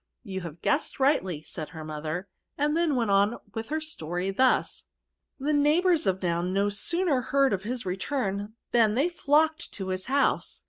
" You have guessed rightly," said her mo ther, and then went on with the story thus :—" The neighbours of Nona no sooner heard of his return than they flocked to his house.